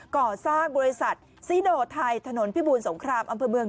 ก่อสร้างบริษัทซีโนไทยถนนพิบูรสงครามอำเภอเมือง